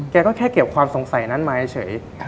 แกก็แค่เก็บความสงสัยนั้นมาเฉย